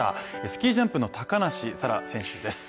スキージャンプの高梨沙羅選手です。